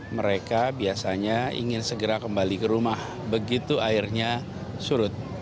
mereka biasanya ingin segera kembali ke rumah begitu airnya surut